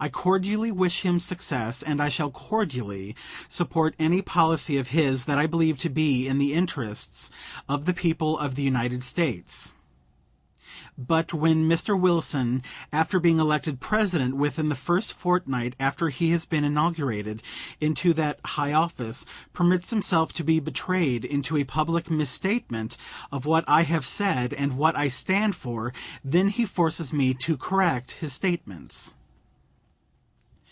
I cordially wish him success, and I shall cordially support any policy of his that I believe to be in the interests of the people of the United States. But when Mr. Wilson, after being elected President, within the first fortnight after he has been inaugurated into that high office, permits himself to be betrayed into a public misstatement of what I have said, and what I stand for, then he forces me to correct his statements.